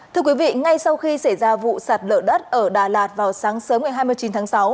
thưa quý vị ngay sau khi xảy ra vụ sạt lở đất ở đà lạt vào sáng sớm ngày hai mươi chín tháng sáu